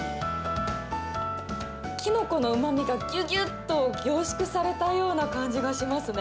キノコのうま味がギュギュッと凝縮されたような感じがしますね。